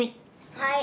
はい！